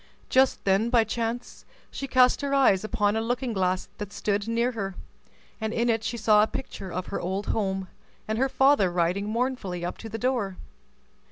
Just then, by chance, she cast her eyes upon a looking glass that stood near her, and in it she saw a picture of her old home, and her father riding mournfully up to the door.